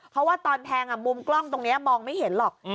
เพราะว่าตอนแทงมุมกล้องตรงนี้มองไม่เห็นหรอก